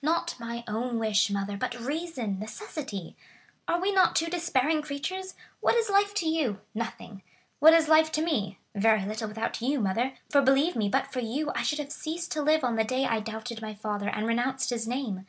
"Not my own wish, mother, but reason—necessity. Are we not two despairing creatures? What is life to you?—Nothing. What is life to me?—Very little without you, mother; for believe me, but for you I should have ceased to live on the day I doubted my father and renounced his name.